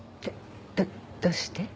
どどうして？